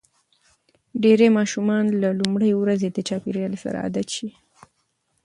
ډېری ماشومان له لومړۍ ورځې د چاپېریال سره عادت شي.